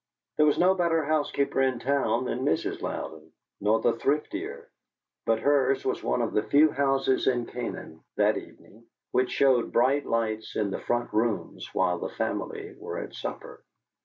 There was no better housekeeper in town than Mrs. Louden, nor a thriftier, but hers was one of the few houses in Canaan, that evening, which showed bright lights in the front rooms while the family were at supper.